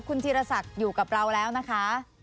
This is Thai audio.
คุณธีรศักดิ์อยู่กับเราแล้วนะคะ